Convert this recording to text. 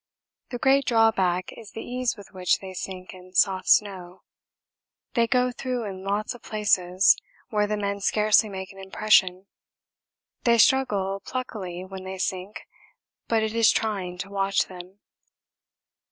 The great drawback is the ease with which they sink in soft snow: they go through in lots of places where the men scarcely make an impression they struggle pluckily when they sink, but it is trying to watch them.